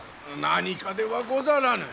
何かではござらぬ。